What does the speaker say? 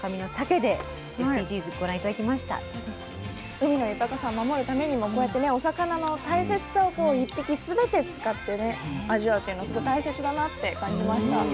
海の豊かさを守るためにもこうやってねお魚の大切さを１匹全て使ってね味わうっていうのすごい大切だなって感じました。